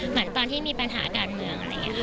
เหมือนตอนที่มีปัญหาการเมือง